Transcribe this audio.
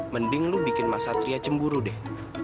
mending lu bikin mas satria cemburu deh